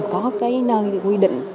có cái nơi để quy định